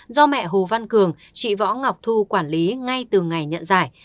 do mẹ hồ văn cường chị võ ngọc thu quản lý ngay từ ngày nhận giải